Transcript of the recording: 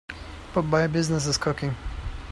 But my business is cooking.